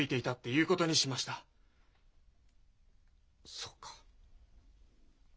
そうか。